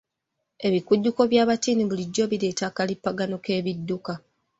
Ebikujjuko by'abattiini bulijjo bireeta akalipagano k'ebidduka.